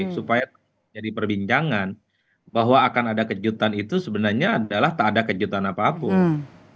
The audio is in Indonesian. supaya jadi perbincangan bahwa akan ada kejutan itu sebenarnya adalah tak ada kejutan apapun